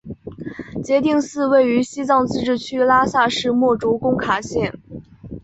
杰定寺位于西藏自治区拉萨市墨竹工卡县。